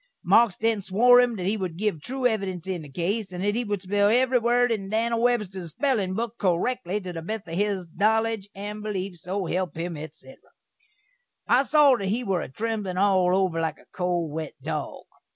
Marks then swore him that he would giv true evidense in this case, and that he would spell evry word in Dan'l Webster's spellin' book correkly to the best of his knowledge and beleef, so help him, etc. I saw that he were a tremblin' all over like a cold wet dog.